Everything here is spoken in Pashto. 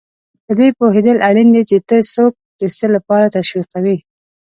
په دې پوهېدل اړین دي چې ته څوک د څه لپاره تشویقوې.